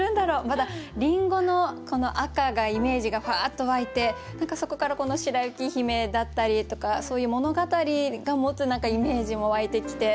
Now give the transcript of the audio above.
まだ林檎の赤がイメージがふわっと湧いて何かそこから「白雪姫」だったりとかそういう物語が持つ何かイメージも湧いてきて。